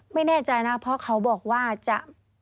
ไม่แน่ใจนะเพราะเขาบอกว่าจะ